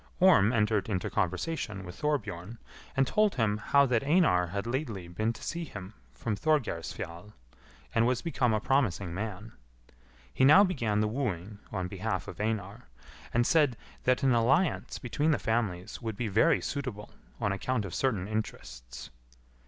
Orm entered into conversation with Thorbjorn, and told him how that Einar had lately been to see him from Thorgeirsfjall, and was become a promising man. He now began the wooing on behalf of Einar, and said that an alliance between the families would be very suitable on account of certain interests.